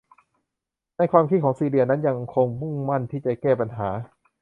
ในความคิดของซีเลียนั้นยังคงมุ่งมั่นที่จะแก้ปัญหา